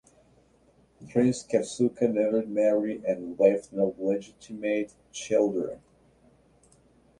Prince Katsura never married and left no legitimate children.